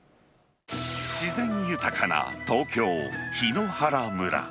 自然豊かな東京・檜原村。